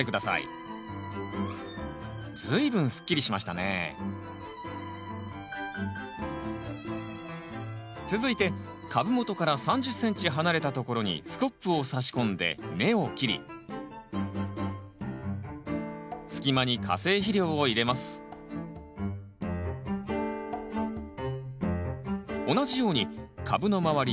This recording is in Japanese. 随分すっきりしましたね続いて株元から３０ｃｍ離れたところにスコップを差し込んで根を切り隙間に化成肥料を入れます同じように株の周り